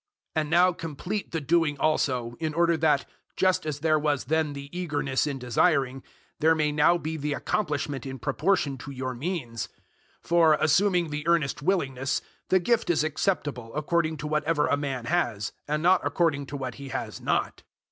008:011 And now complete the doing also, in order that, just as there was then the eagerness in desiring, there may now be the accomplishment in proportion to your means. 008:012 For, assuming the earnest willingness, the gift is acceptable according to whatever a man has, and not according to what he has not.